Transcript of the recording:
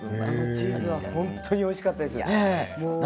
チーズ本当においしかったです。